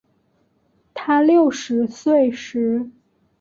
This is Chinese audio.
她六十岁时